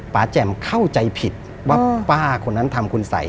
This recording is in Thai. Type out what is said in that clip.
แจ่มเข้าใจผิดว่าป้าคนนั้นทำคุณสัย